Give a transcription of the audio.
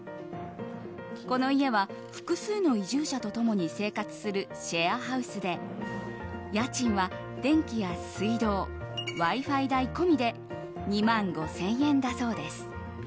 この家は、複数の移住者と共に生活するシェアハウスで家賃は、電気や水道Ｗｉ‐Ｆｉ代込みで２万５０００円だそうです。